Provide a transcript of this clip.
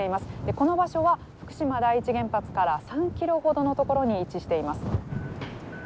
この場所は、福島第一原発から３キロほどのところに位置しています。